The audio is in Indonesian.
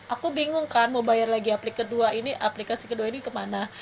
aku bingung kan mau bayar lagi aplikasi kedua ini kemana